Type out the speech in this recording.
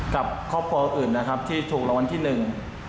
กับครอบครัวอื่นนะครับที่ถูกรางวัลที่หนึ่ง